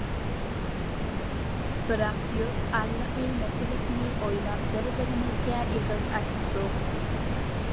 بىراق يۇرت ئارىلىقى مەسىلىسىنى ئويلاپ، بىر بىرىمىزگە ئېغىز ئاچالمىدۇق.